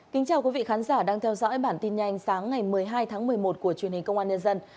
kính chào quý vị khán giả đang theo dõi bản tin nhanh sáng ngày một mươi hai tháng một mươi một của truyền hình công an nhân dân